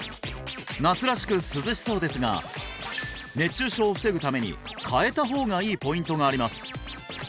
夏らしく涼しそうですが熱中症を防ぐために変えた方がいいポイントがあります